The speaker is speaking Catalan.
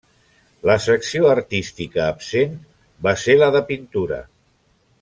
La secció artística absent va ser la de pintura.